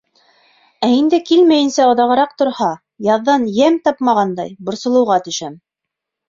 Ә инде килмәйенсә оҙағыраҡ торһа, яҙҙан йәм тапмағандай, борсолоуға төшәм.